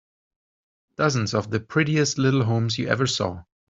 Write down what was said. Dozens of the prettiest little homes you ever saw.